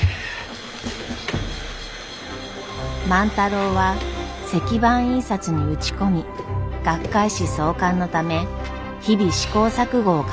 万太郎は石版印刷に打ち込み学会誌創刊のため日々試行錯誤を重ねていました。